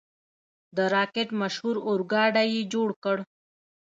د راکټ مشهور اورګاډی یې جوړ کړ.